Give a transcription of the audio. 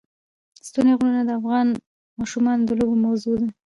ستوني غرونه د افغان ماشومانو د لوبو موضوع ده.